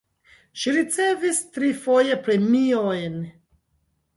Ŝi ricevis trifoje premiojn.